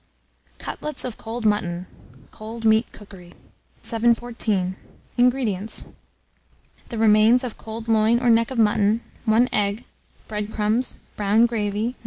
CUTLETS OF COLD MUTTON (Cold Meat Cookery). 714. INGREDIENTS. The remains of cold loin or neck of mutton, 1 egg, bread crumbs, brown gravy (No.